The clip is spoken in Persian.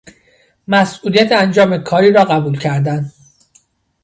مسئولیت انجام کاری را قبول کردن